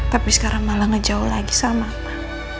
tapi sekarang malah ngejauh lagi sama aku